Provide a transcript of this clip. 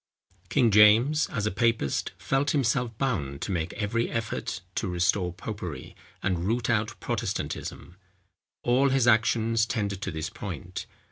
King James, as a papist, felt himself bound to make every effort to restore popery, and root out Protestantism. All his actions tended to this point.